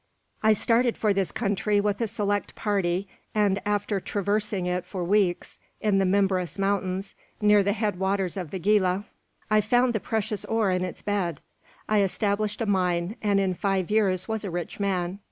"I started for this country with a select party; and, after traversing it for weeks, in the Mimbres mountains, near the head waters of the Gila, I found the precious ore in its bed. I established a mine, and in five years was a rich man.